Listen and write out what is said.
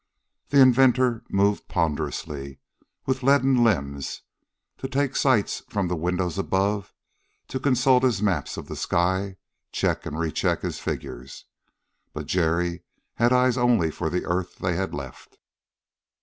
The inventor moved ponderously, with leaden limbs, to take sights from the windows above, to consult his maps of the sky, check and re check his figures. But Jerry had eyes only for the earth they had left.